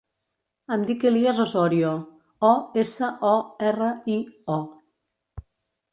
Em dic Elías Osorio: o, essa, o, erra, i, o.